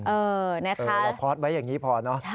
เออนะคะเราพอร์ตไว้อย่างนี้พอเนอะ